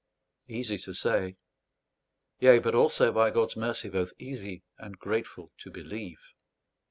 Easy to say: yea, but also, by God's mercy, both easy and grateful to believe!